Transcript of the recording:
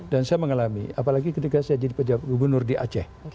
dan saya mengalami apalagi ketika saya jadi gubernur di aceh